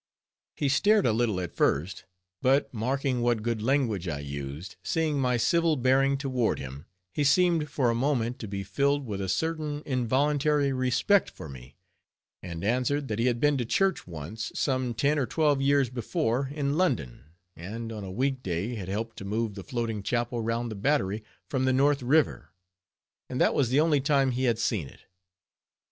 He stared a little at first, but marking what good language I used, seeing my civil bearing toward him, he seemed for a moment to be filled with a certain involuntary respect for me, and answered, that he had been to church once, some ten or twelve years before, in London, and on a week day had helped to move the Floating Chapel round the Battery, from the North River; and that was the only time he had seen it.